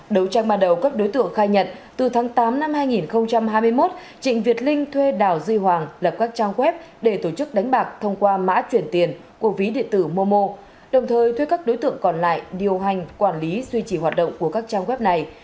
đấu tranh ban đầu các đối tượng khai nhận từ tháng tám năm hai nghìn hai mươi một trịnh việt linh thuê đào duy hoàng lập các trang web để tổ chức đánh bạc thông qua mã chuyển tiền của ví điện tử momo đồng thời thuê các đối tượng còn lại điều hành quản lý duy trì hoạt động của các trang web này